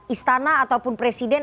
istana ataupun presiden